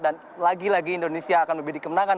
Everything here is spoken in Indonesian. dan lagi lagi indonesia akan memiliki kemenangan